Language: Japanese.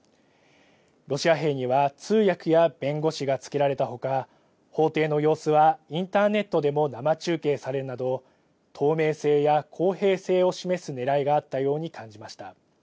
ロシア兵には通訳や弁護士がつけられたほか、法廷の様子はインターネットでも生中継されるなど、透明性や公平性を示すねらいがあったように感じました。